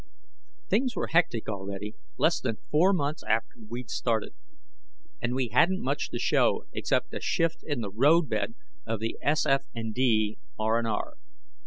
Things were hectic already, less than four months after we'd started. And we hadn't much to show, except a shift in the roadbed of the SF & D RR.